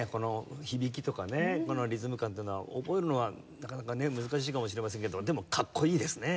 響きとかねリズム感っていうのは覚えるのはなかなかね難しいかもしれませんけどでもかっこいいですね。